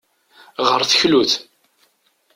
Ɣer teklut.